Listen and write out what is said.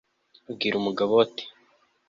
abwira umugabo we, ati